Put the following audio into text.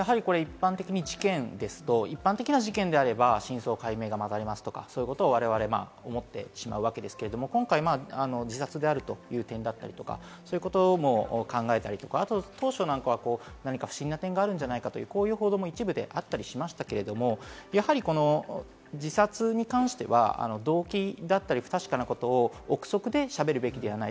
一般的に事件ですと、真相解明が待たれますとか、そういうことを我々は思ってしまうわけですけれども、今回、自殺であるという点だったり、そういうことも考えたり、あと当初は不審な点があるんじゃないかという報道も一部であったりしましたけれども、やはり自殺に関しては動機だったり、不確かなことを臆測で喋るべきではない。